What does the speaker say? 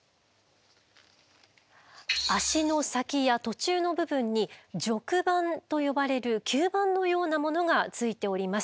足の先や途中の部分に褥盤と呼ばれる吸盤のようなものがついております。